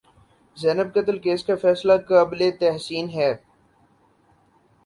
زینب قتل کیس کا فیصلہ قابل تحسین ہے